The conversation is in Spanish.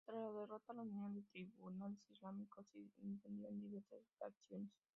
Tras la derrota, la Unión de Tribunales Islámicos se escindió en diversas facciones.